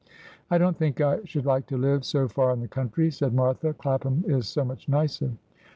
' I don't think I should like to live so far in the country,' said Martha :' Clapham is so much nicer.'